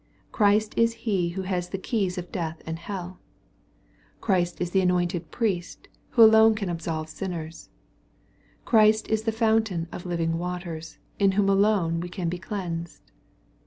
Christ is He who has the keys of death and MATTHEW, CHAP. XXVni. 409 hell. Christ is the anointed Priest, wha alone can ab solve sinners. Christ is the fountain of living waters, in whom alone we can be cleansed.